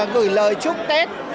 gửi lời chúc tết